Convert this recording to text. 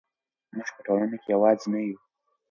موږ په ټولنه کې یوازې نه یو.